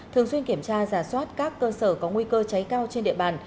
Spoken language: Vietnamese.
thường xuyên kiểm tra giả soát các cơ sở có nguy cơ cháy cao trên địa bàn